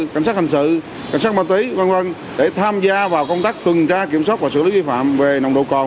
cảnh sát hành sự cảnh sát bà tí v v để tham gia vào công tác cường tra kiểm soát và xử lý vi phạm về nồng độ cồn